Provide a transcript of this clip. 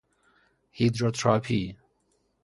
هیدروتراپی